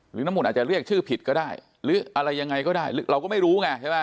น้ำมนต์อาจจะเรียกชื่อผิดก็ได้หรืออะไรยังไงก็ได้เราก็ไม่รู้ไงใช่ไหม